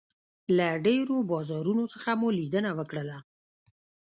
له ډېرو بازارونو څخه مو لیدنه وکړله.